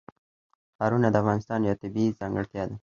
ښارونه د افغانستان یوه طبیعي ځانګړتیا ده.